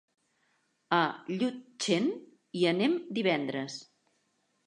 A Llutxent hi anem divendres.